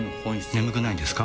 眠くないですか？